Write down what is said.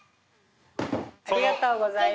ありがとうございます。